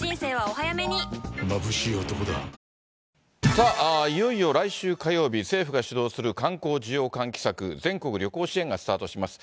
さあ、いよいよ来週火曜日、政府が主導する観光需要喚起策、全国旅行支援がスタートします。